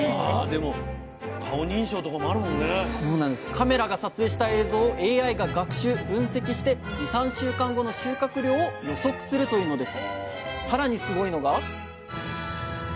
カメラが撮影した映像をＡＩが学習・分析して２３週間後の収穫量を予測するというのです。